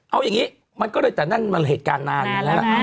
เอาอย่างงี้มันก็เลยตั้งจากนั้นเหตุการณ์นานแล้วนะ